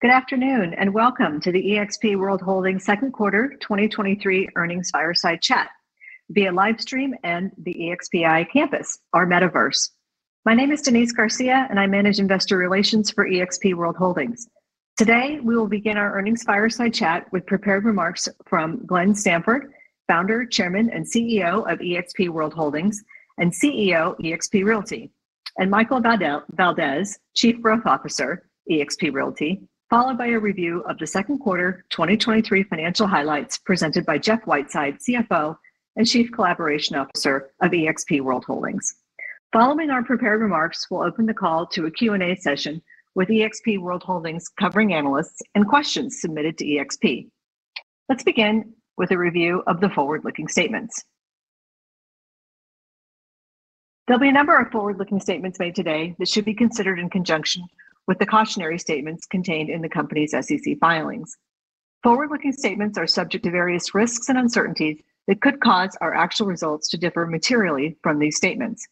Good afternoon, welcome to the eXp World Holdings Q2 2023 Earnings Fireside Chat via live stream and the EXPI campus, our metaverse. My name is Denise Garcia, and I manage investor relations for eXp World Holdings. Today, we will begin our earnings Fireside Chat with prepared remarks from Glenn Sanford, Founder, Chairman, and CEO of eXp World Holdings and CEO, eXp Realty, and Michael Valdes, Chief Growth Officer, eXp Realty, followed by a review of the Q2 2023 financial highlights presented by Jeff Whiteside, CFO and Chief Collaboration Officer of eXp World Holdings. Following our prepared remarks, we'll open the call to a Q&A session with eXp World Holdings covering analysts and questions submitted to eXp. Let's begin with a review of the forward-looking statements. There'll be a number of forward-looking statements made today that should be considered in conjunction with the cautionary statements contained in the company's SEC filings. Forward-looking statements are subject to various risks and uncertainties that could cause our actual results to differ materially from these statements.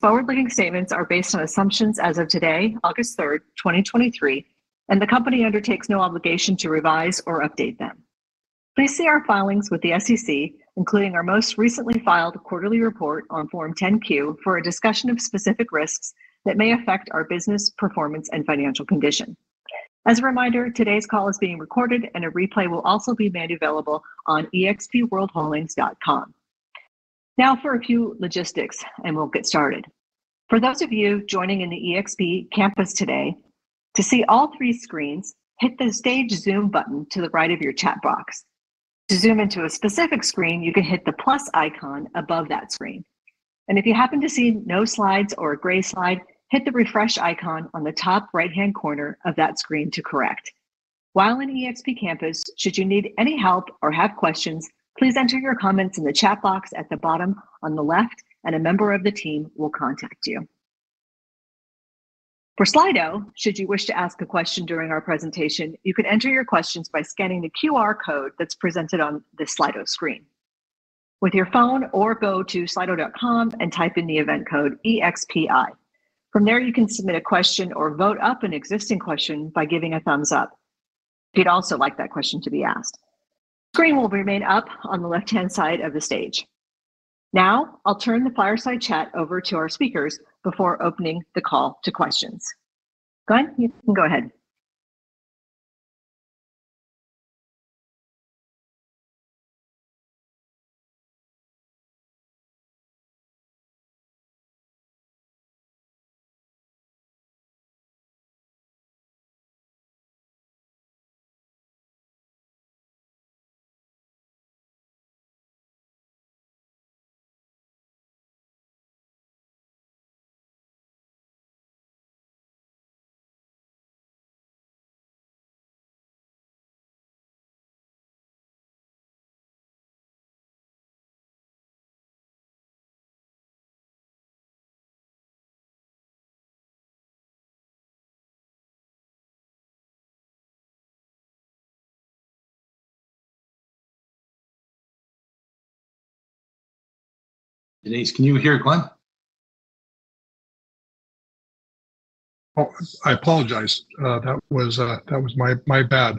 Forward-looking statements are based on assumptions as of today, August 3, 2023, and the company undertakes no obligation to revise or update them. Please see our filings with the SEC, including our most recently filed quarterly report on Form 10-Q, for a discussion of specific risks that may affect our business performance and financial condition. As a reminder, today's call is being recorded, and a replay will also be made available on expworldholdings.com. Now for a few logistics, and we'll get started. For those of you joining in the eXp campus today, to see all three screens, hit the Stage Zoom button to the right of your chat box. To zoom into a specific screen, you can hit the plus icon above that screen. If you happen to see no slides or a gray slide, hit the refresh icon on the top right-hand corner of that screen to correct. While in eXp campus, should you need any help or have questions, please enter your comments in the chat box at the bottom on the left, and a member of the team will contact you. For Slido, should you wish to ask a question during our presentation, you can enter your questions by scanning the QR code that's presented on this Slido screen. With your phone or go to slido.com and type in the event code EXPI. From there, you can submit a question or vote up an existing question by giving a thumbs up. If you'd also like that question to be asked. Screen will remain up on the left-hand side of the stage. I'll turn the Fireside Chat over to our speakers before opening the call to questions. Glenn, you can go ahead. Denise, can you hear Glenn? I apologize. That was my bad.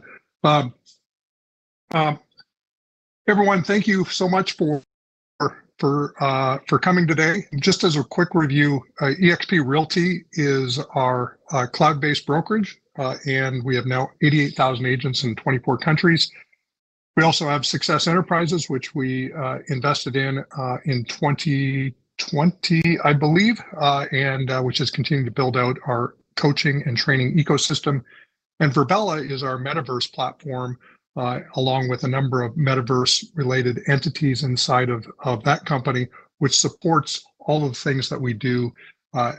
Everyone, thank you so much for coming today. Just as a quick review, eXp Realty is our cloud-based brokerage, and we have now 88,000 agents in 24 countries. We also have SUCCESS Enterprises, which we invested in in 2020, I believe, and which has continued to build out our coaching and training ecosystem. Virbela is our metaverse platform, along with a number of metaverse-related entities inside of that company, which supports all of the things that we do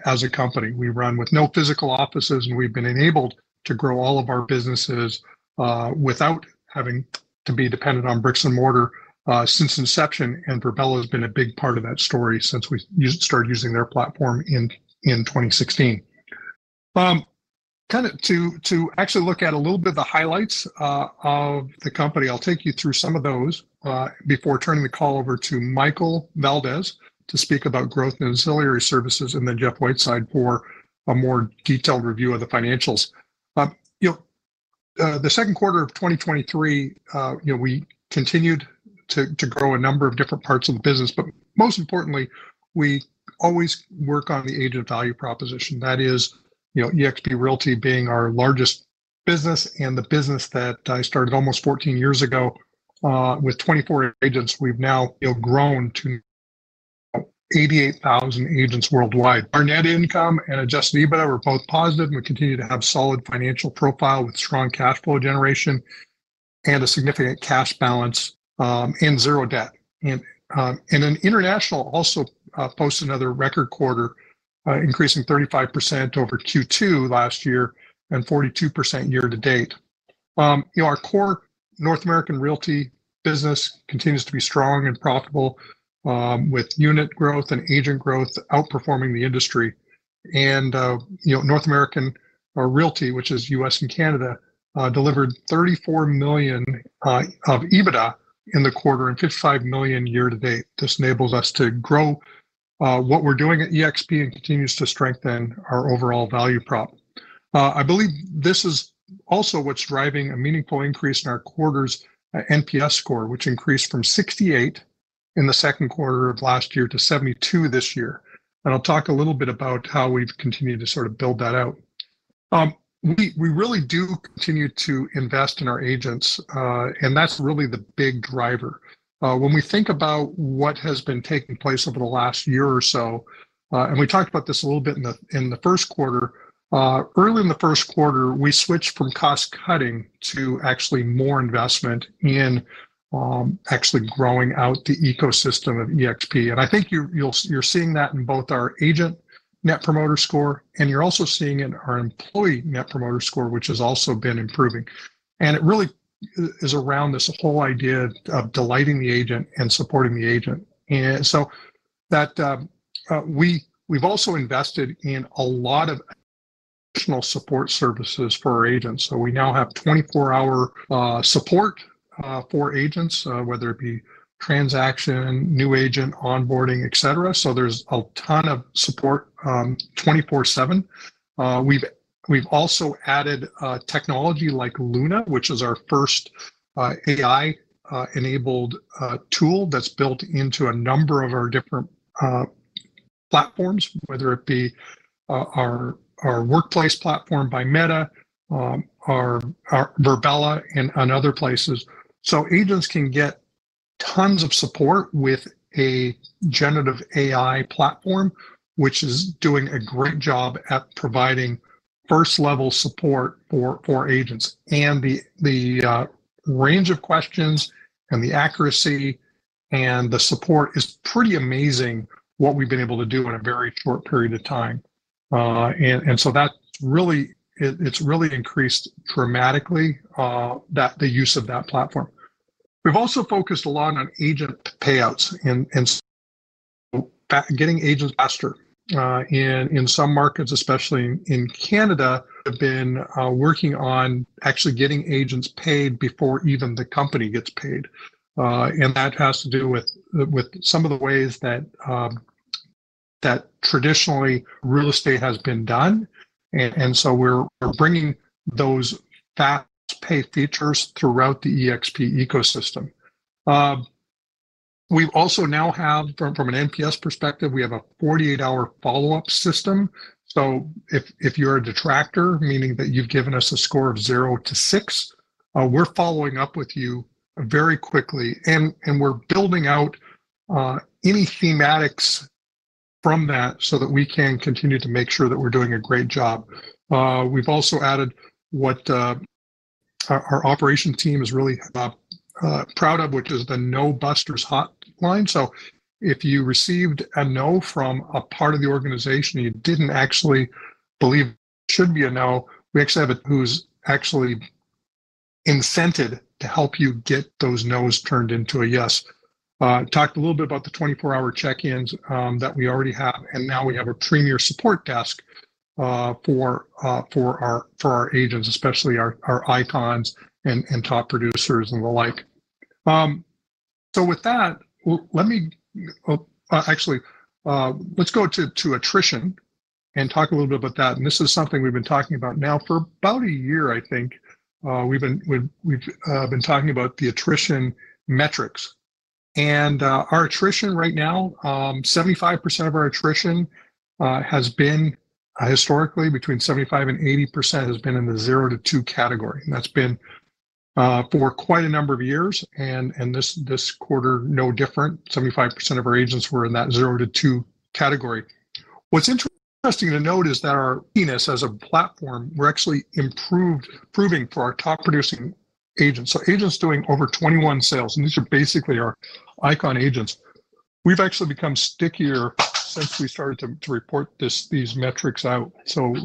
as a company. We run with no physical offices, and we've been enabled to grow all of our businesses without having to be dependent on bricks and mortar since inception, and Virbela has been a big part of that story since we started using their platform in, in 2016. Kind of to, to actually look at a little bit of the highlights of the company, I'll take you through some of those before turning the call over to Michael Valdes to speak about growth and Ancillary Services, and then Jeff Whiteside for a more detailed review of the financials. You know, the Q2 of 2023, you know, we continued to, to grow a number of different parts of the business, but most importantly, we always work on the agent value proposition. That is, you know, eXp Realty being our largest business and the business that I started almost 14 years ago, with 24 agents. We've now, you know, grown to 88,000 agents worldwide. Our net income and adjusted EBITDA were both positive, we continue to have solid financial profile with strong cash flow generation and a significant cash balance, and zero debt. International also posts another record quarter, increasing 35% over Q2 last year and 42% year to date. You know, our core North American Realty business continues to be strong and profitable, with unit growth and agent growth outperforming the industry. You know, North American Realty, which is U.S. and Canada, delivered $34 million of EBITDA in the quarter and $55 million year to date. This enables us to grow what we're doing at eXp and continues to strengthen our overall value prop. I believe this is also what's driving a meaningful increase in our quarter's NPS score, which increased from 68 in theQ2 of last year to 72 this year. I'll talk a little bit about how we've continued to sort of build that out. We, we really do continue to invest in our agents, and that's really the big driver. When we think about what has been taking place over the last year or so, and we talked about this a little bit in the, in the Q1. Early in the Q1, we switched from cost-cutting to actually more investment in, actually growing out the ecosystem of eXp. I think you're seeing that in both our agent Net Promoter Score, and you're also seeing it in our employee Net Promoter Score, which has also been improving. It really is around this whole idea of delighting the agent and supporting the agent. So that we've also invested in a lot of additional support services for our agents. So we now have 24-hour support for agents, whether it be transaction, new agent, onboarding, et cetera. So there's a ton of support, 24/7. We've also added technology like Luna, which is our first AI enabled tool that's built into a number of our different platforms, whether it be our workplace platform by Meta, our Virbela, and other places. Agents can get tons of support with a generative AI platform, which is doing a great job at providing first-level support for, for agents. The range of questions and the accuracy and the support is pretty amazing, what we've been able to do in a very short period of time. It's really increased dramatically, that, the use of that platform. We've also focused a lot on agent payouts and, and getting agents faster. In, in some markets, especially in Canada, we've been working on actually getting agents paid before even the company gets paid. That has to do with, with some of the ways that traditionally real estate has been done. We're, we're bringing those fast pay features throughout the eXp ecosystem. We've also now have, from, from an NPS perspective, we have a 48-hour follow-up system. If, if you're a detractor, meaning that you've given us a score of 0 to 6, we're following up with you very quickly, and, and we're building out any thematic from that so that we can continue to make sure that we're doing a great job. We've also added what our, our operation team is really proud of, which is the No Busters Hotline. If you received a no from a part of the organization and you didn't actually believe it should be a no, we actually have it, who's actually incented to help you get those no's turned into a yes. Talked a little bit about the 24-hour check-ins that we already have, and now we have a premier support desk for our agents, especially our ICON agents and top producers and the like. With that, let me. Actually, let's go to attrition and talk a little bit about that. This is something we've been talking about now for about a year, I think. We've been, we've, we've been talking about the attrition metrics. Our attrition right now, 75% of our attrition has been, historically, between 75% to 80% has been in the zero to two category. That's been for quite a number of years. This quarter, no different. 75% of our agents were in that zero to two category. What's interesting to note is that our [stickiness] as a platform, we're actually improved- improving for our top producing agents. Agents doing over 21 sales, and these are basically our ICON agents. We've actually become stickier since we started to, to report this, these metrics out.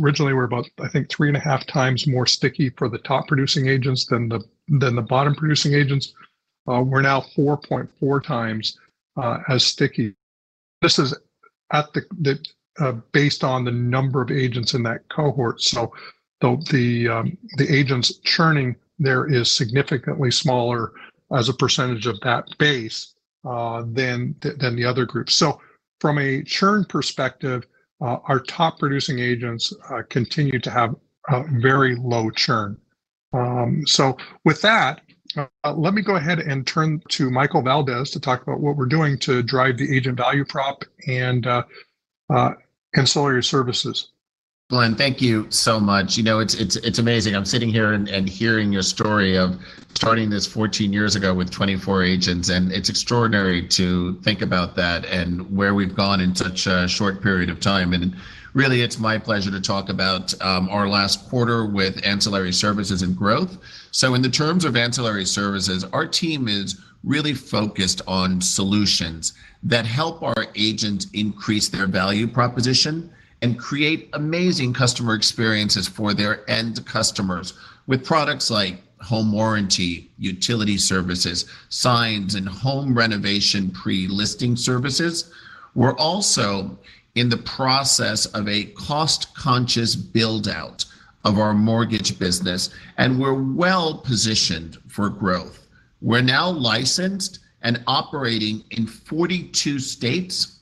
Originally, we were about, I think, 3.5x more sticky for the top producing agents than the, than the bottom producing agents. We're now 4.4x as sticky. This is at the, the based on the number of agents in that cohort. The, the the agents churning there is significantly smaller as a percentage of that base than the, than the other groups. From a churn perspective, our top producing agents continue to have a very low churn. With that, let me go ahead and turn to Michael Valdes to talk about what we're doing to drive the agent value prop and Ancillary Services. Glenn, thank you so much. You know, it's, it's, it's amazing. I'm sitting here and, and hearing your story of starting this 14 years ago with 24 agents, and it's extraordinary to think about that and where we've gone in such a short period of time. Really, it's my pleasure to talk about our last quarter with Ancillary Services and growth. In the terms of Ancillary Services, our team is really focused on solutions that help our agents increase their value proposition and create amazing customer experiences for their end customers. With products like home warranty, utility services, signs, and home renovation pre-listing services, we're also in the process of a cost-conscious build-out of our mortgage business, and we're well positioned for growth. We're now licensed and operating in 42 states.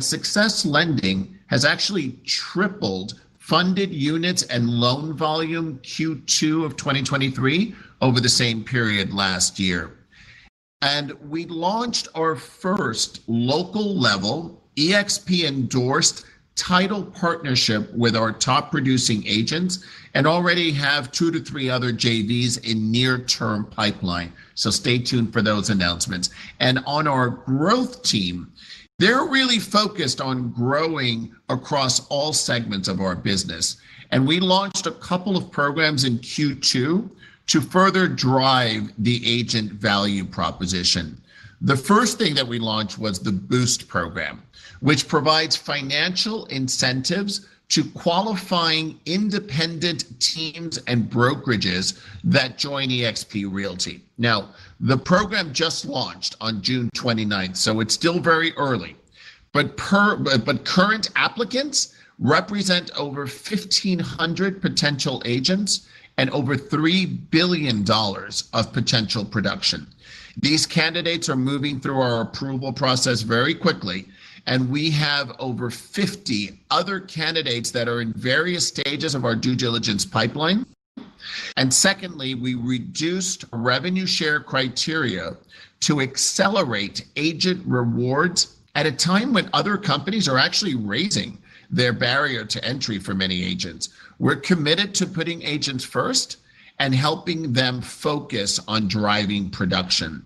Success Lending has actually tripled funded units and loan volume Q2 of 2023 over the same period last year. We launched our first local level eXp-endorsed title partnership with our top-producing agents and already have two to three other JVs in near-term pipeline. Stay tuned for those announcements. On our growth team, they're really focused on growing across all segments of our business, and we launched a couple of programs in Q2 to further drive the agent value proposition. The first thing that we launched was the Boost program, which provides financial incentives to qualifying independent teams and brokerages that join eXp Realty. Now, the program just launched on June 29th, so it's still very early. Current applicants represent over 1,500 potential agents and over $3 billion of potential production. These candidates are moving through our approval process very quickly, and we have over 50 other candidates that are in various stages of our due diligence pipeline. Secondly, we reduced revenue share criteria to accelerate agent rewards at a time when other companies are actually raising their barrier to entry for many agents. We're committed to putting agents first and helping them focus on driving production.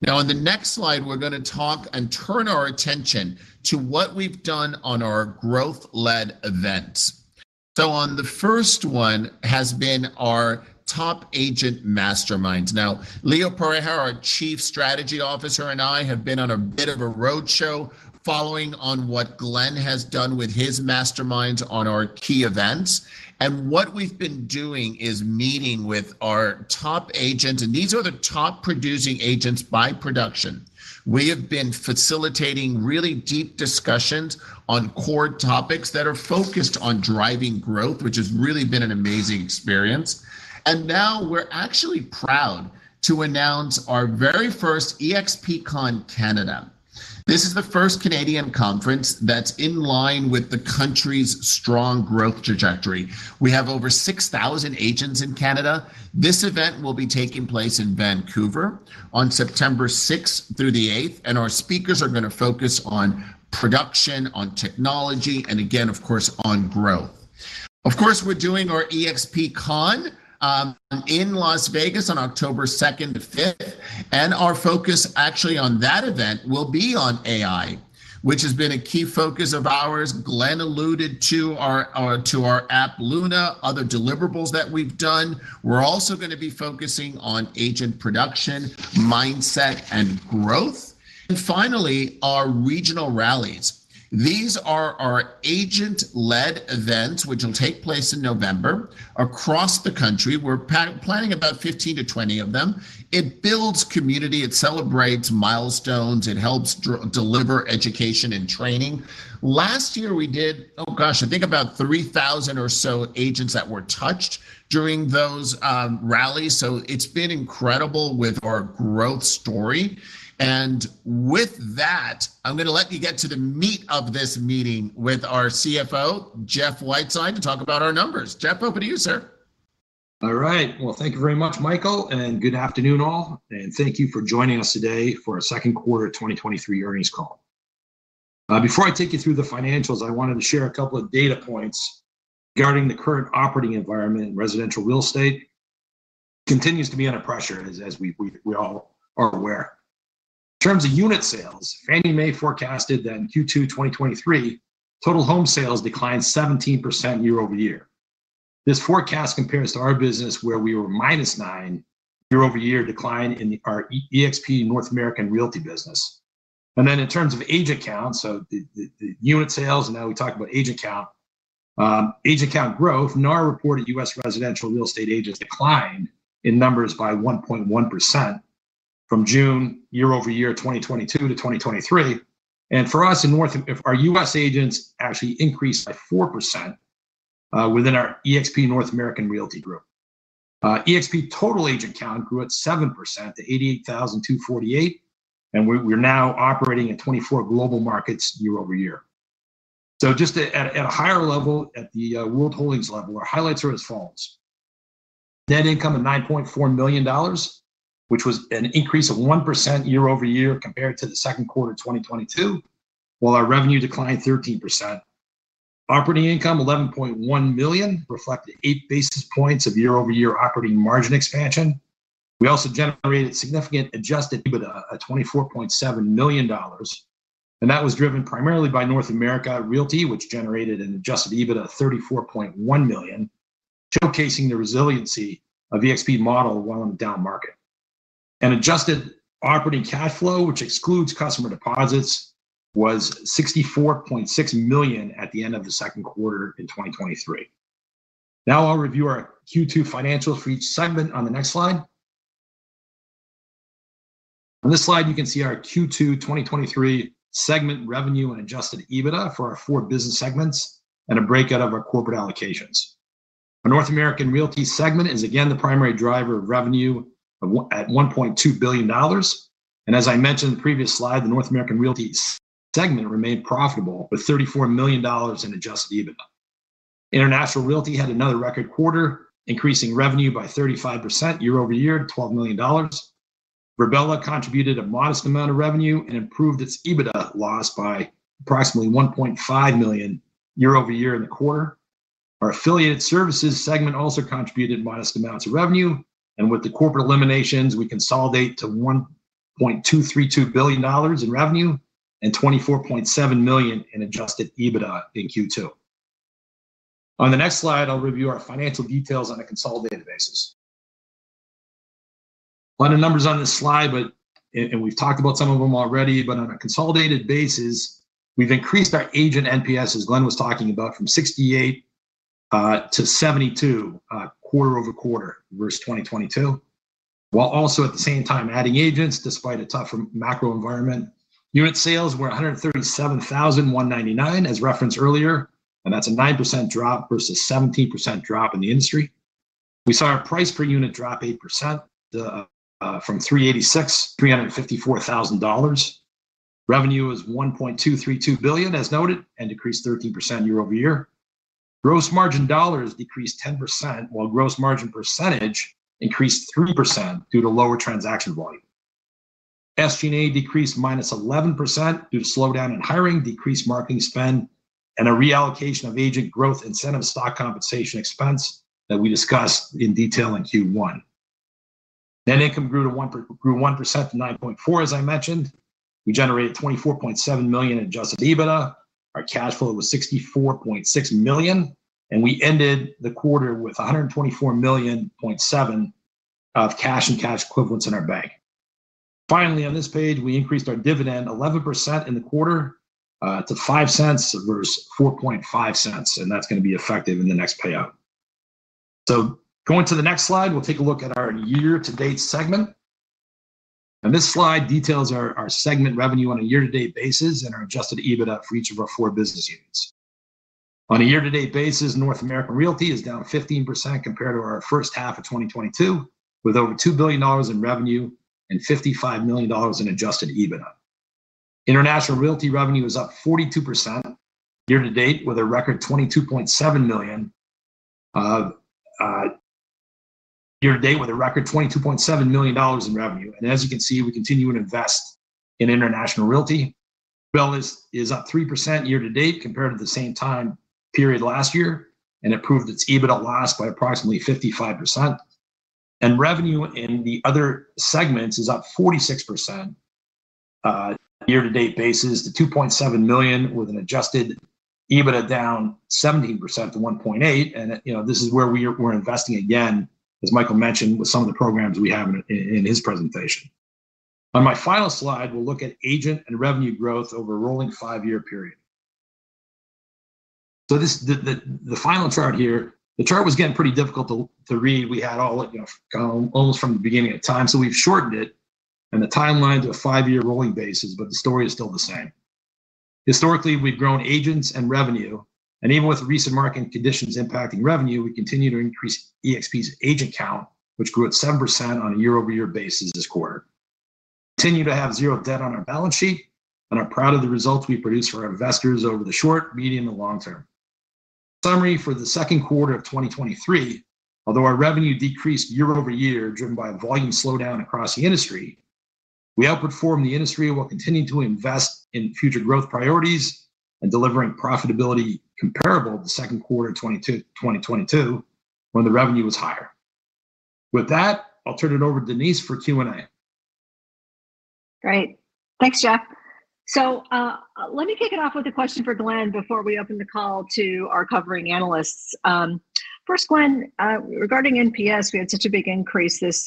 Now, on the next slide, we're gonna talk and turn our attention to what we've done on our growth-led events. On the first one has been our top agent masterminds. Now, Leo Pareja, our Chief Strategy Officer, and I have been on a bit of a roadshow, following on what Glenn has done with his masterminds on our key events. What we've been doing is meeting with our top agents, and these are the top-producing agents by production. We have been facilitating really deep discussions on core topics that are focused on driving growth, which has really been an amazing experience. Now we're actually proud to announce our very first EXPCON Canada. This is the first Canadian conference that's in line with the country's strong growth trajectory. We have over 6,000 agents in Canada. This event will be taking place in Vancouver on September 6th through the 8th, and our speakers are gonna focus on production, on technology, and again, of course, on growth. Of course, we're doing our EXPCON in Las Vegas on October 2nd to 5th, and our focus actually on that event will be on AI, which has been a key focus of ours. Glenn alluded to our app, Luna, other deliverables that we've done. We're also gonna be focusing on agent production, mindset, and growth. Finally, our regional rallies. These are our agent-led events, which will take place in November across the country. We're planning about 15 to 20 of them. It builds community, it celebrates milestones, it helps deliver education and training. Last year, we did, oh, gosh, I think about 3,000 or so agents that were touched during those rallies. It's been incredible with our growth story. With that, I'm gonna let you get to the meat of this meeting with our CFO, Jeff Whiteside, to talk about our numbers. Jeff, over to you, sir. All right. Well, thank you very much, Michael, and good afternoon all, and thank you for joining us today for our Q2 of 2023 Earnings Call. Before I take you through the financials, I wanted to share a couple of data points regarding the current operating environment, and residential real estate continues to be under pressure, as all are aware. In terms of unit sales, Fannie Mae forecasted that in Q2 2023, total home sales declined 17% year-over-year. This forecast compares to our business, where we were nine year-over-year decline in our eXp North American Realty business. Then in terms of agent count, so unit sales, and now we talk about agent count. Agent count growth, NAR reported U.S. residential real estate agents declined in numbers by 1.1% from June year-over-year, 2022 to 2023. For us in North, if our U.S. agents actually increased by 4% within our eXp North American Realty group. eXp total agent count grew at 7% to 88,248, and we're now operating in 24 global markets year-over-year. Just at a higher level, at the eXp World Holdings level, our highlights are as follows: net income of $9.4 million, which was an increase of 1% year-over-year compared to the Q2 of 2022, while our revenue declined 13%. Operating income, $11.1 million, reflected 8 basis points of year-over-year operating margin expansion. We also generated significant adjusted EBITDA, at $24.7 million, that was driven primarily by North American Realty, which generated an adjusted EBITDA of $34.1 million, showcasing the resiliency of the eXp model while on the down market. An adjusted operating cash flow, which excludes customer deposits, was $64.6 million at the end of the Q2 in 2023. I'll review our Q2 financials for each segment on the next slide. On this slide, you can see our Q2 2023 segment revenue and adjusted EBITDA for our four business segments and a breakout of our corporate allocations. Our North American Realty segment is again the primary driver of revenue, at $1.2 billion. As I mentioned in the previous slide, the North American Realty segment remained profitable, with $34 million in adjusted EBITDA. International Realty had another record quarter, increasing revenue by 35% year-over-year, to $12 million. Virbela contributed a modest amount of revenue and improved its EBITDA loss by approximately $1.5 million year-over-year in the quarter. Our Affiliated Services segment also contributed modest amounts of revenue, with the corporate eliminations, we consolidate to $1.232 billion in revenue and $24.7 million in adjusted EBITDA in Q2. On the next slide, I'll review our financial details on a consolidated basis. A lot of numbers on this slide, we've talked about some of them already, but on a consolidated basis, we've increased our agent NPS, as Glenn was talking about, from 68 to 72 quarter-over-quarter versus 2022, while also at the same time adding agents despite a tough macro environment. Unit sales were 137,199, as referenced earlier, and that's a 9% drop versus 17% drop in the industry. We saw our price per unit drop 8% from $386,000, $354,000. Revenue is $1.232 billion, as noted, and decreased 13% year-over-year. Gross margin dollars decreased 10%, while gross margin percentage increased 3% due to lower transaction volume. SG&A decreased -11% due to slowdown in hiring, decreased marketing spend, and a reallocation of agent growth incentive stock compensation expense that we discussed in detail in Q1. Net income grew 1% to $9.4 million, as I mentioned. We generated $24.7 million adjusted EBITDA. Our cash flow was $64.6 million, and we ended the quarter with $124.7 million of cash and cash equivalents in our bank. Finally, on this page, we increased our dividend 11% in the quarter to $0.05 versus $0.045, and that's gonna be effective in the next payout. Going to the next slide, we'll take a look at our year-to-date segment. This slide details our, our segment revenue on a year-to-date basis and our adjusted EBITDA for each of our four business units. On a year-to-date basis, North American Realty is down 15% compared to our first half of 2022, with over $2 billion in revenue and $55 million in adjusted EBITDA. International Realty revenue is up 42% year to date, with a record $22.7 million, year to date with a record $22.7 million in revenue. As you can see, we continue to invest in International Realty. Virbela is up 3% year to date compared to the same time period last year, and improved its EBITDA last by approximately 55%. Revenue in the other segments is up 46%, year to date basis, to $2.7 million, with an adjusted EBITDA down 17% to $1.8 million. You know, this is where we're, we're investing again, as Michael mentioned, with some of the programs we have in, in his presentation. On my final slide, we'll look at agent and revenue growth over a rolling five-year period. This final chart here, the chart was getting pretty difficult to read. We had all, you know, almost from the beginning of time, we've shortened it and the timeline to a five-year rolling basis, the story is still the same. Historically, we've grown agents and revenue, even with recent market conditions impacting revenue, we continue to increase eXp's agent count, which grew at 7% on a year-over-year basis this quarter. Continue to have zero debt on our balance sheet and are proud of the results we produce for our investors over the short, medium, and long term. Summary for the Q2 of 2023, although our revenue decreased year-over-year, driven by a volume slowdown across the industry, we outperformed the industry and will continue to invest in future growth priorities and delivering profitability comparable to the Q2 of 2022, when the revenue was higher. With that, I'll turn it over to Denise for Q&A. Great. Thanks, Jeff. Let me kick it off with a question for Glenn before we open the call to our covering analysts. First, Glenn, regarding NPS, we had such a big increase this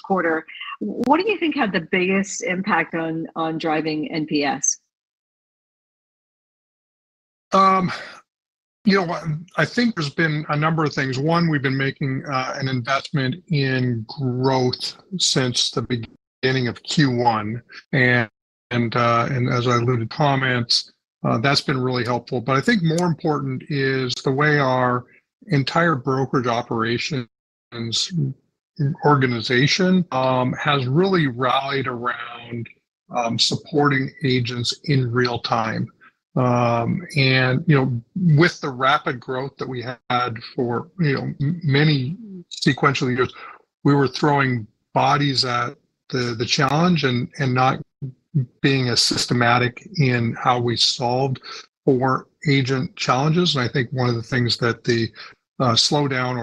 quarter. What do you think had the biggest impact on, on driving NPS? You know what? I think there's been a number of things. One, we've been making an investment in growth since the beginning of Q1. As I alluded to comments, that's been really helpful. I think more important is the way our entire brokerage operations and organization has really rallied around supporting agents in real time. You know, with the rapid growth that we had for, you know, many sequential years, we were throwing bodies at the challenge and not being as systematic in how we solved for agent challenges. I think one of the things that the slowdown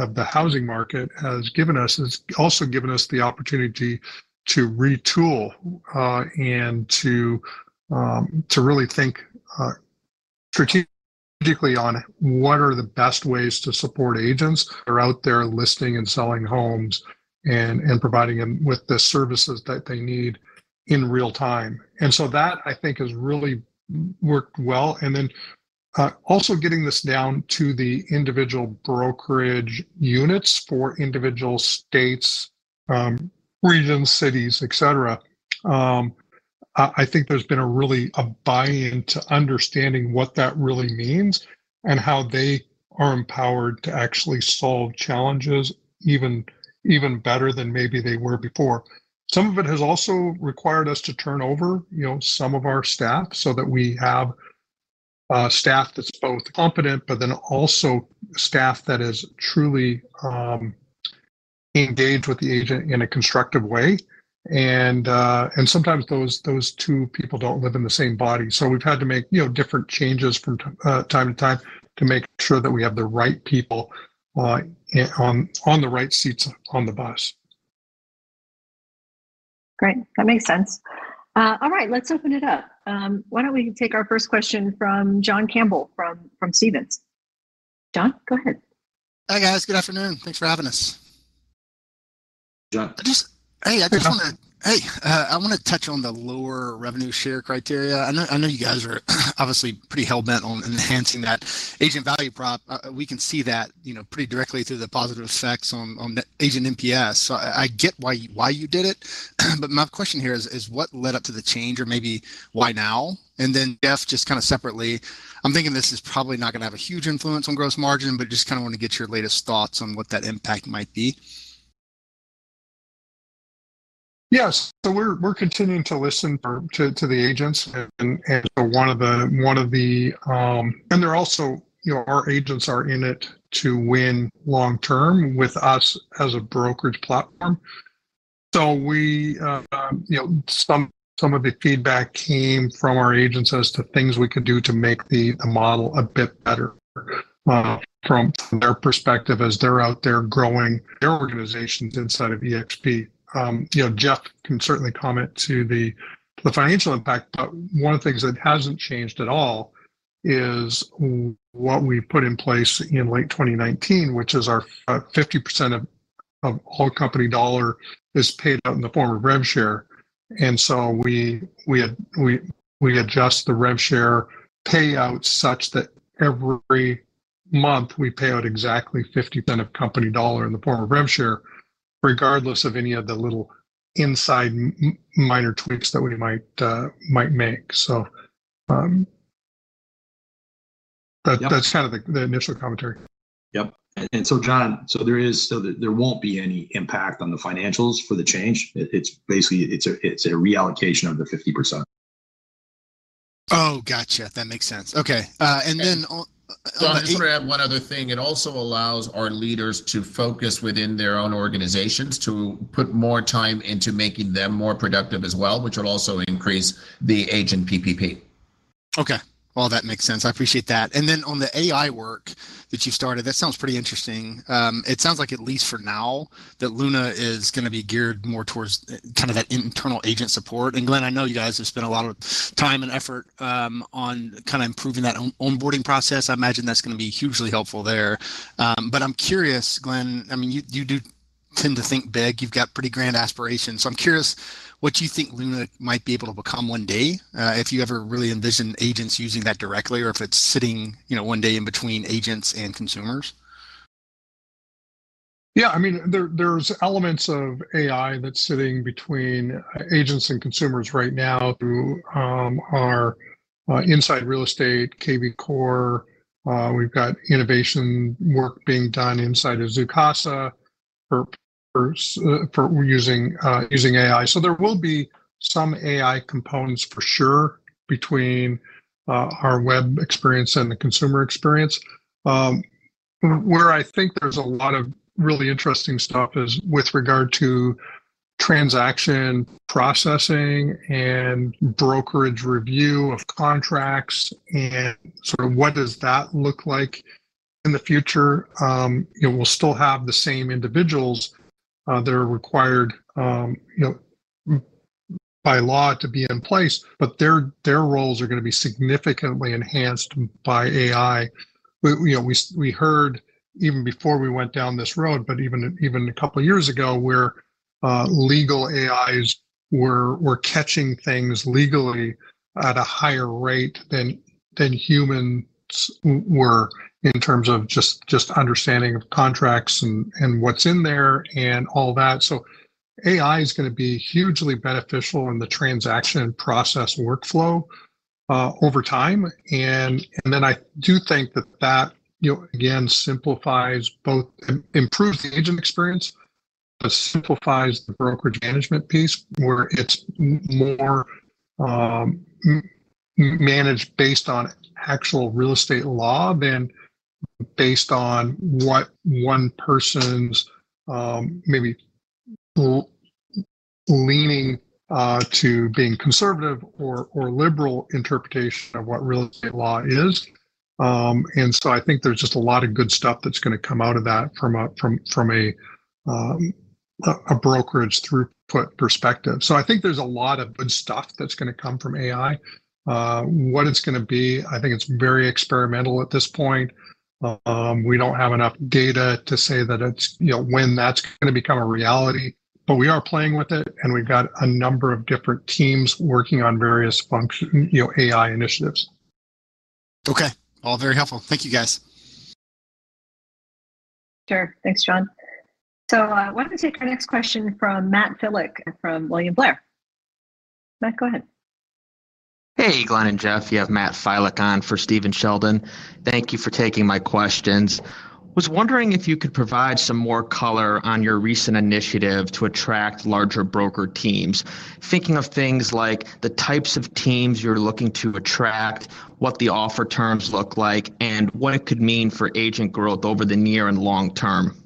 of the housing market has given us, it's also given us the opportunity to retool and to really think strategically on what are the best ways to support agents that are out there listing and selling homes and, and providing them with the services that they need in real time. So that, I think, has really worked well. Then also getting this down to the individual brokerage units for individual states, regions, cities, et cetera. I think there's been a really, a buy-in to understanding what that really means and how they are empowered to actually solve challenges even, even better than maybe they were before. Some of it has also required us to turn over, you know, some of our staff so that we have staff that's both competent, but then also staff that is truly engaged with the agent in a constructive way. Sometimes those, those two people don't live in the same body. We've had to make, you know, different changes from time to time to make sure that we have the right people on the right seats on the bus. Great, that makes sense. All right, let's open it up. Why don't we take our first question from John Campbell from Stephens? John, go ahead. Hi, guys. Good afternoon. Thanks for having us. John. I wanna touch on the lower revenue share criteria. I know you guys are obviously pretty hell-bent on enhancing that agent value prop. We can see that, you know, pretty directly through the positive effects on, on the agent NPS. I, I get why you, why you did it. My question here is, is what led up to the change or maybe why now? Then, Jeff, just separately, I'm thinking this is probably not gonna have a huge influence on gross margin, but just wanna get your latest thoughts on what that impact might be. Yes. We're, we're continuing to listen for, to, to the agents. They're also, you know, our agents are in it to win long-term with us as a brokerage platform. We, you know, some, some of the feedback came from our agents as to things we could do to make the, the model a bit better from their perspective as they're out there growing their organizations inside of eXp. You know, Jeff can certainly comment to the, the financial impact, but one of the things that hasn't changed at all is what we put in place in late 2019, which is our 50% of, of whole company dollar is paid out in the form of revenue share. We adjust the revenue share payout such that every month, we pay out exactly 50% of company dollar in the form of rev share, regardless of any of the little inside minor tweaks that we might make. Yeah That's kind of the, the initial commentary. Yep. John, there won't be any impact on the financials for the change. It's basically, it's a reallocation of the 50%. That makes sense. Okay. John, I just want to add one other thing. It also allows our leaders to focus within their own organizations to put more time into making them more productive as well, which will also increase the agent PPP. Okay, well, that makes sense. I appreciate that. On the AI work that you started, that sounds pretty interesting. It sounds like, at least for now, that Luna is gonna be geared more towards that internal agent support. Glenn, I know you guys have spent a lot of time and effort on improving that onboarding process. I imagine that's gonna be hugely helpful there. I'm curious, Glenn, I mean, you, you do tend to think big. You've got pretty grand aspirations. I'm curious, what do you think Luna might be able to become one day? If you ever really envision agents using that directly or if it's sitting, you know, one day in between agents and consumers? Yeah, I mean, there, there's elements of AI that's sitting between agents and consumers right now through our Inside Real Estate, kvCORE. We've got innovation work being done inside of Zoocasa for for using AI. There will be some AI components for sure between our web experience and the consumer experience. Where I think there's a lot of really interesting stuff is with regard to transaction processing and brokerage review of contracts, and sort of what does that look like in the future? You know, we'll still have the same individuals that are required, you know, by law to be in place, but their, their roles are gonna be significantly enhanced by AI. We know, we heard even before we went down this road, but even a couple of years ago, where legal AIs were catching things legally at a higher rate than humans were, in terms of just understanding of contracts and what's in there, and all that. AI is gonna be hugely beneficial in the transaction process workflow, over time. Then I do think that, that, you know, again, simplifies both, improves the agent experience, but simplifies the brokerage management piece, where it's more managed based on actual real estate law than based on what one person's, maybe, leaning to being conservative or liberal interpretation of what real estate law is. I think there's just a lot of good stuff that's gonna come out of that from a brokerage throughput perspective. I think there's a lot of good stuff that's gonna come from AI. What it's gonna be, I think it's very experimental at this point. We don't have enough data to say that it's, you know, when that's gonna become a reality. We are playing with it, and we've got a number of different teams working on various function, you know, AI initiatives. Okay, all very helpful. Thank you, guys. Sure. Thanks, John. Why don't we take our next question from Matt Filek from William Blair? Matt, go ahead. Hey, Glenn and Jeff, you have Matt Filek on for Stephen Sheldon. Thank you for taking my questions. Was wondering if you could provide some more color on your recent initiative to attract larger broker teams. Thinking of things like the types of teams you're looking to attract, what the offer terms look like, and what it could mean for agent growth over the near and long term.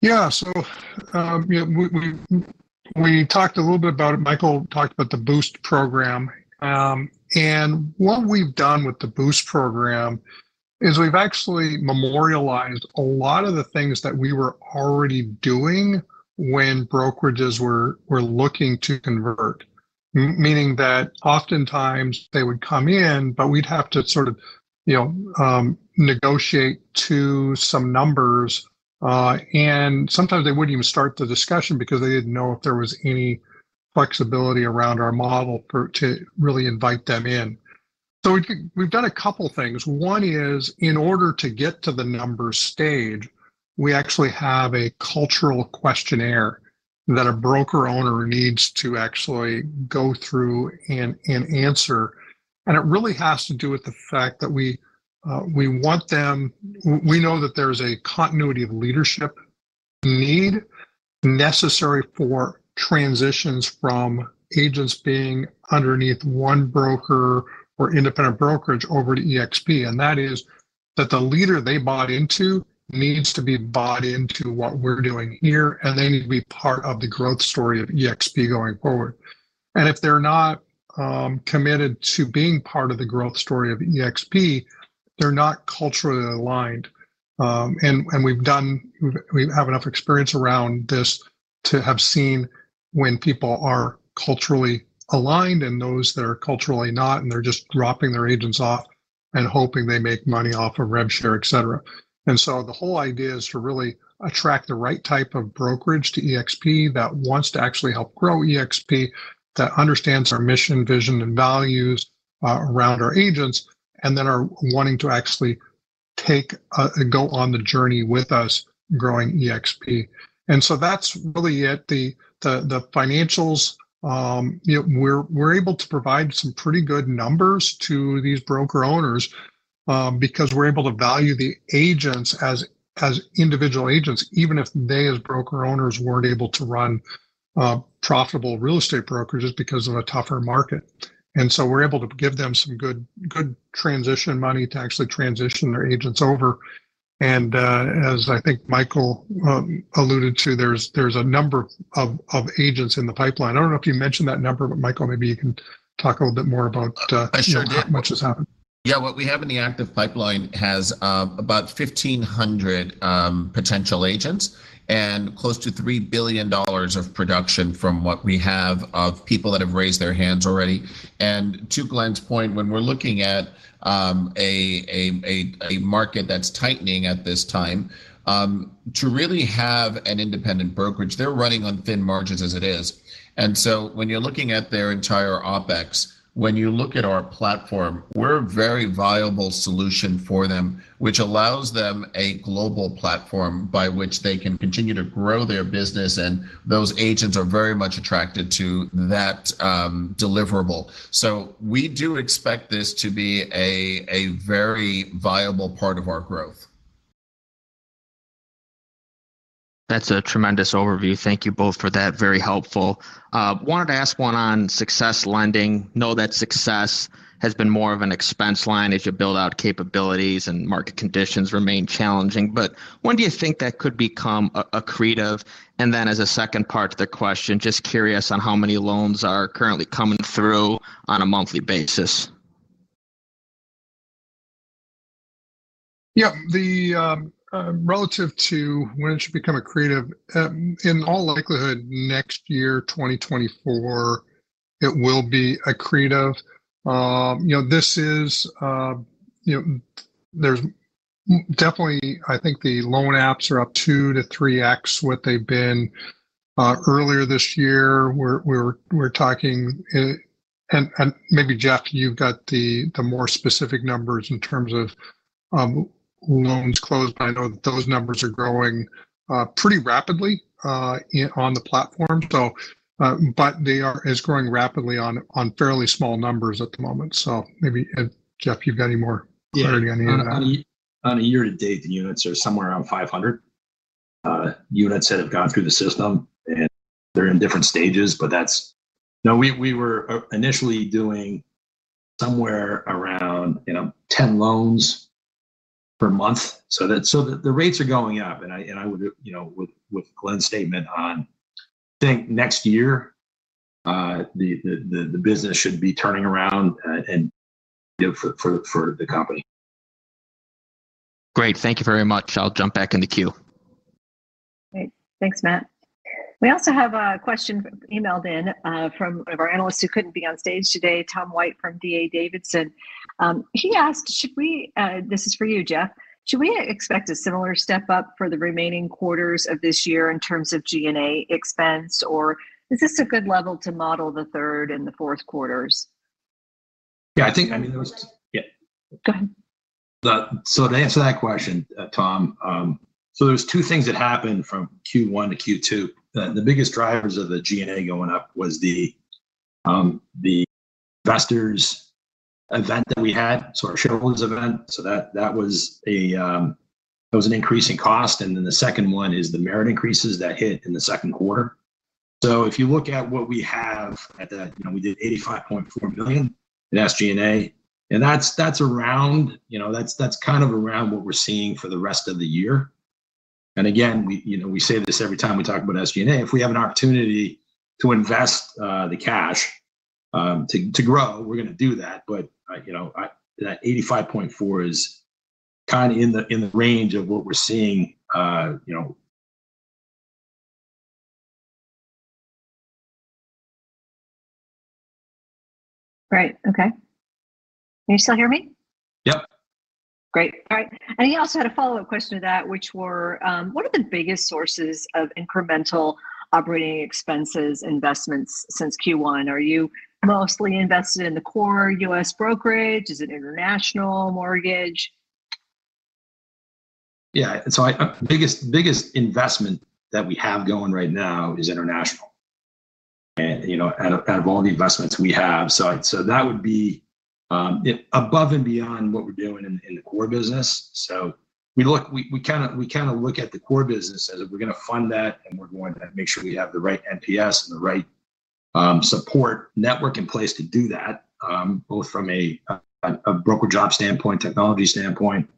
Yeah, we talked a little bit about it. Michael talked about the Boost program. And what we've done with the Boost program is we've actually memorialized a lot of the things that we were already doing when brokerages were, were looking to convert. Meaning that oftentimes they would come in, but we'd have to sort of, you know, negotiate to some numbers, and sometimes they wouldn't even start the discussion because they didn't know if there was any flexibility around our model for, to really invite them in. We've done a couple things. One is, in order to get to the numbers stage, we actually have a cultural questionnaire that a broker-owner needs to actually go through and, and answer. And it really has to do with the fact that we want them. We know that there's a continuity of leadership need necessary for transitions from agents being underneath one broker or independent brokerage over to eXp, and that is that the leader they bought into needs to be bought into what we're doing here, and they need to be part of the growth story of eXp going forward. If they're not committed to being part of the growth story of eXp, they're not culturally aligned. We have enough experience around this to have seen when people are culturally aligned and those that are culturally not, and they're just dropping their agents off and hoping they make money off of rev share, et cetera. The whole idea is to really attract the right type of brokerage to eXp that wants to actually help grow eXp, that understands our mission, vision, and values around our agents, and then are wanting to actually take a go on the journey with us growing eXp. That's really it. The, the, the financials, you know, we're, we're able to provide some pretty good numbers to these broker-owners because we're able to value the agents as, as individual agents, even if they, as broker-owners, weren't able to run profitable real estate brokerages because of a tougher market. We're able to give them some good, good transition money to actually transition their agents over. As I think Michael alluded to, there's a number of, of agents in the pipeline. I don't know if you mentioned that number, but Michael, maybe you can talk a little bit more about. I sure can. How much has happened. Yeah. What we have in the active pipeline has about 1,500 potential agents and close to $3 billion of production from what we have of people that have raised their hands already. To Glenn's point, when we're looking at a market that's tightening at this time, to really have an independent brokerage, they're running on thin margins as it is. When you're looking at their entire OpEx, when you look at our platform, we're a very viable solution for them, which allows them a global platform by which they can continue to grow their business, and those agents are very much attracted to that deliverable. We do expect this to be a very viable part of our growth. That's a tremendous overview. Thank you both for that. Very helpful. wanted to ask one on SUCCESS Lending. Know that success has been more of an expense line as you build out capabilities and market conditions remain challenging. When do you think that could become accretive? As a second part to the question, just curious on how many loans are currently coming through on a monthly basis. Yeah, the relative to when it should become accretive, in all likelihood, next year, 2024, it will be accretive. There's definitely, I think the loan apps are up 2x to 3x what they've been earlier this year. We're, we're, we're talking, and maybe, Jeff, you've got the more specific numbers in terms of loans closed, but I know that those numbers are growing pretty rapidly on the platform. It's growing rapidly on fairly small numbers at the moment. Maybe, Jeff, you've got any more? Yeah... clarity on any of that. On a year-to-date, the units are somewhere around 500 units that have gone through the system, and they're in different stages. Now, we were initially doing somewhere around, you know, 10 loans per month. That, so the rates are going up, and I would, you know, with Glenn's statement on, I think next year, the business should be turning around, and for the company. Great. Thank you very much. I'll jump back in the queue. Great. Thanks, Matt. We also have a question emailed in from one of our analysts who couldn't be on stage today, Tom White, from D.A. Davidson. He asked, should we, this is for you, Jeff, should we expect a similar step up for the remaining quarters of this year in terms of G&A expense, or is this a good level to model the Q3 and Q4? Yeah, I think, I mean, there was. Yeah. Go ahead. To answer that question, Tom, there's two things that happened from Q1 to Q2. The, the biggest drivers of the G&A going up was the, the investors event that we had, so our shareholders event. That, that was a, that was an increase in cost, and then the second one is the merit increases that hit in the Q2. If you look at what we have at that, you know, we did $85.4 million in SG&A, and that's around, you know, that's kind of around what we're seeing for the rest of the year. Again, we, you know, we say this every time we talk about SG&A, if we have an opportunity to invest, the cash, to, to grow, we're gonna do that. Like, you know, I... That 85.4 is kind of in the, in the range of what we're seeing, you know. Right. Okay. Can you still hear me? Yep. Great. All right. He also had a follow-up question to that, which were: What are the biggest sources of incremental operating expenses, investments since Q1? Are you mostly invested in the core US brokerage? Is it international mortgage? Yeah. Biggest, biggest investment that we have going right now is international. You know out of all the investments we have. That would be above and beyond what we're doing in, in the core business. We look at the core business as if we're gonna fund that, and we're going to make sure we have the right NPS and the right support network in place to do that, both from a broker job standpoint, technology standpoint.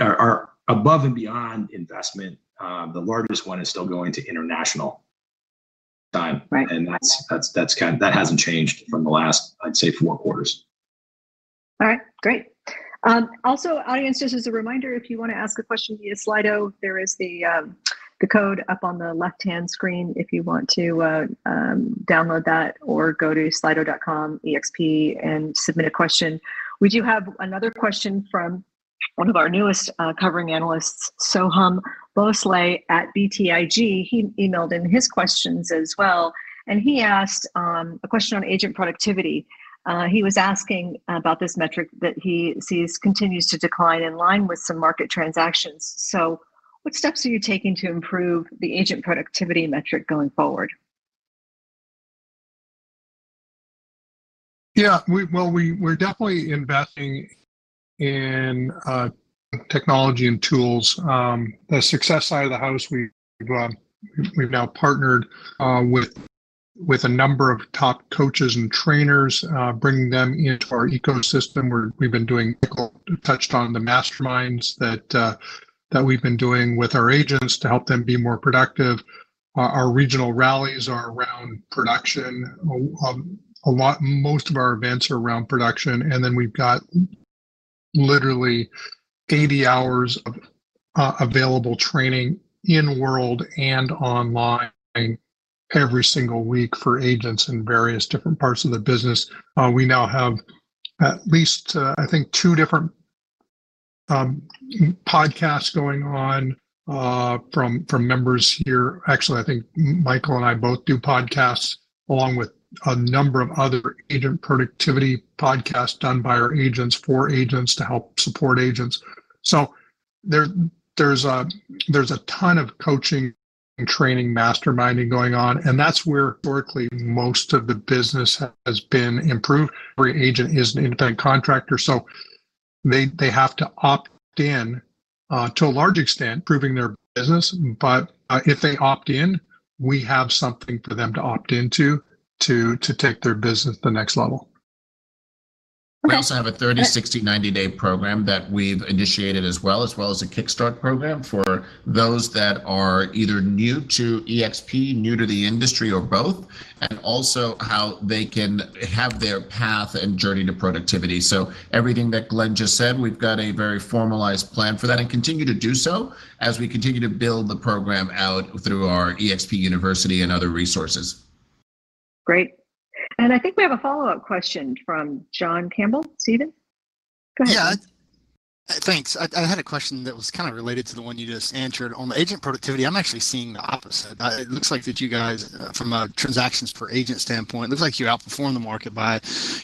Our above and beyond investment, the largest one is still going to international time. Right. That hasn't changed from the last, I'd say, four quarters. All right. Great. Also, audience, just as a reminder, if you wanna ask a question via Slido, there is the, the code up on the left-hand screen if you want to download that or go to slido.com/exp and submit a question. We do have another question from one of our newest, covering analysts, Soham Bhonsle at BTIG. He emailed in his questions as well, and he asked a question on agent productivity. He was asking about this metric that he sees continues to decline in line with some market transactions. What steps are you taking to improve the agent productivity metric going forward? Yeah, we're definitely investing in technology and tools. The success side of the house, we've, we've now partnered with, with a number of top coaches and trainers, bringing them into our ecosystem, where we've been doing- touched on the masterminds that we've been doing with our agents to help them be more productive. Our, our regional rallies are around production. A lot, most of our events are around production, and then we've got literally 80 hours of available training in world and online every single week for agents in various different parts of the business. We now have at least, I think, two different podcasts going on from members here. Actually, I think Michael and I both do podcasts, along with a number of other agent productivity podcasts done by our agents, for agents to help support agents. There's a ton of coaching and training, masterminding going on, and that's where historically, most of the business has been improved. Every agent is an independent contractor, so they have to opt in to a large extent, improving their business. If they opt in, we have something for them to opt into, to take their business to the next level. Okay. We also have a 30, 60, 90-day program that we've initiated as well, as well as a Kickstart program for those that are either new to eXp, new to the industry, or both, and also how they can have their path and journey to productivity. Everything that Glenn just said, we've got a very formalized plan for that and continue to do so as we continue to build the program out through our eXp University and other resources. Great. I think we have a follow-up question from John Campbell. Stephens, go ahead. Yeah. Thanks. I had a question that was kind of related to the one you just answered. On the agent productivity, I'm actually seeing the opposite. It looks like that you guys, from a transactions per agent standpoint, looks like you outperformed the market by,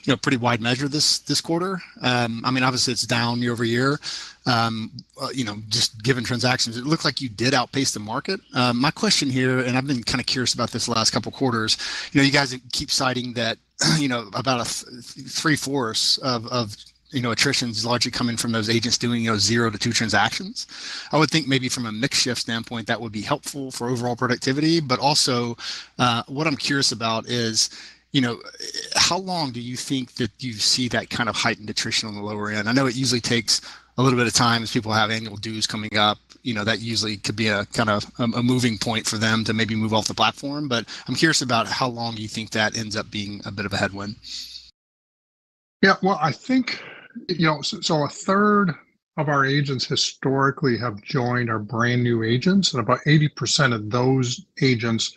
you know, a pretty wide measure this quarter. I mean, obviously, it's down year-over-year. You know, just given transactions, it looks like you did outpace the market. My question here, and I've been kind of curious about this the last couple of quarters, you know, you guys keep citing that, you know, about a 3/4 of attrition is largely coming from those agents doing zero to two transactions. I would think maybe from a mix shift standpoint, that would be helpful for overall productivity. Also, what I'm curious about is, you know, how long do you think that you see that kind of heightened attrition on the lower end? I know it usually takes a little bit of time as people have annual dues coming up. You know, that usually could be a kind of a moving point for them to maybe move off the platform, but I'm curious about how long you think that ends up being a bit of a headwind. Yeah, well, I think, you know, so 1/3 of our agents historically have joined are brand new agents, and about 80% of those agents,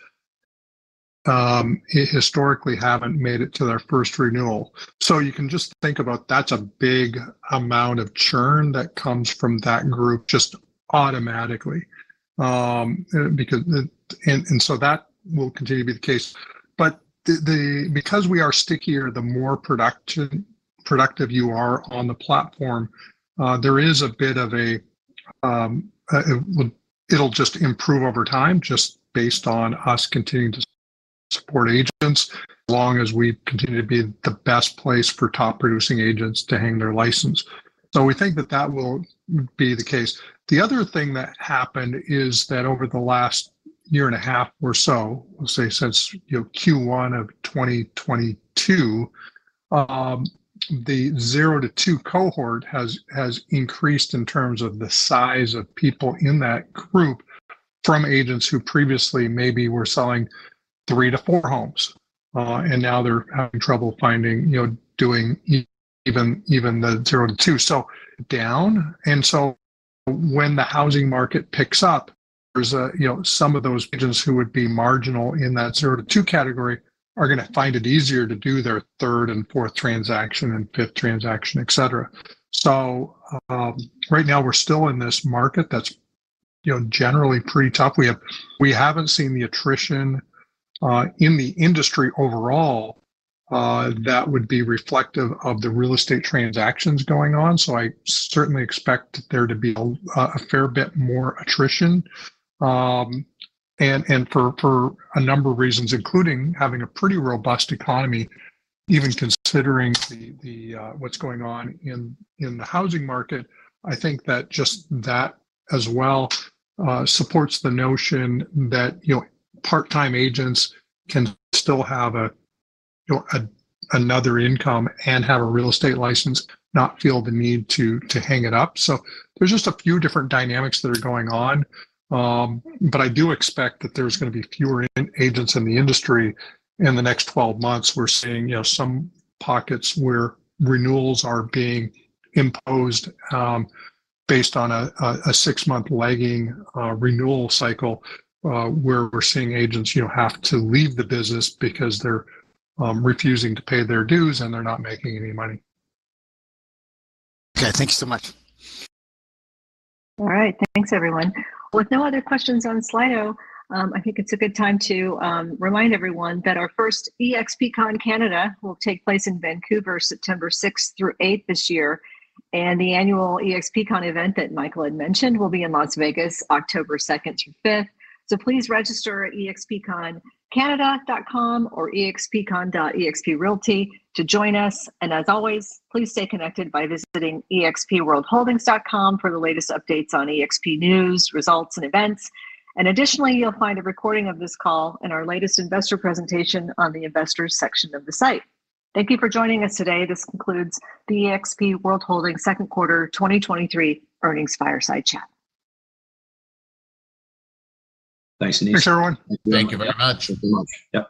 historically haven't made it to their first renewal. You can just think about that's a big amount of churn that comes from that group just automatically. Because, and, and so that will continue to be the case. The, the, because we are stickier, the more production, productive you are on the platform, there is a bit of improve over time, just based on us continuing to support agents, as long as we continue to be the best place for top-producing agents to hang their license. We think that that will be the case. The other thing that happened is that over the last year and a half or so, let's say since, you know, Q1 of 2022, the zero to two cohort has, has increased in terms of the size of people in that group from agents who previously maybe were selling three to four homes. Now they're having trouble finding, you know, doing even, even the zero to two. Down, when the housing market picks up, there's a, you know, some of those agents who would be marginal in that zero to two category are gonna find it easier to do their third and fourth transaction and fifth transaction, et cetera. Right now, we're still in this market that's, you know, generally pretty tough. We haven't seen the attrition in the industry overall that would be reflective of the real estate transactions going on. I certainly expect there to be a fair bit more attrition. For a number of reasons, including having a pretty robust economy, even considering the what's going on in the housing market. I think that just that as well supports the notion that, you know, part-time agents can still have a, you know, another income and have a real estate license, not feel the need to, to hang it up. There's just a few different dynamics that are going on, but I do expect that there's gonna be fewer agents in the industry in the next 12 months. We're seeing, you know, some pockets where renewals are being imposed, based on a 6-month lagging renewal cycle, where we're seeing agents, you know, have to leave the business because they're refusing to pay their dues, and they're not making any money. Okay, thank you so much. All right. Thanks, everyone. With no other questions on Slido, I think it's a good time to remind everyone that our first EXPCON Canada will take place in Vancouver, September 6th to 8th this year, and the annual EXPCON event that Michael had mentioned will be in Las Vegas, October 2nd to 5th. Please register at exconcanada.com or expcon.exprealty.com to join us, and as always, please stay connected by visiting expworldholdings.com for the latest updates on eXp news, results, and events. Additionally, you'll find a recording of this call and our latest investor presentation on the Investors section of the site. Thank you for joining us today. This concludes the eXp World Holdings Q2 2023 Earnings Fireside Chat. Thanks, Denise. Thanks, everyone. Thank you very much.